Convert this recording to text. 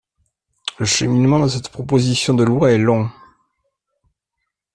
Le cheminement de cette proposition de loi est long.